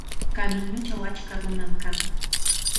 Kamiñuchaw achka nunam kan.